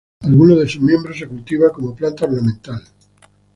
Algunos de sus miembros se cultiva como planta ornamental.